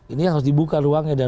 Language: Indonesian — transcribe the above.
ini harus dibuka ruangnya